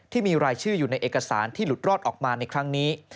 ที่มีรายชื่ออยู่ในเอกสารที่หลุดรอดออกมาในครั้งนี้